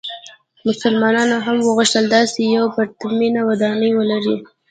مسلمانانو هم وغوښتل داسې یوه پرتمینه ودانۍ ولري.